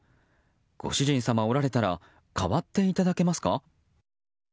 ご主人様、おられたらかわっていただけますか？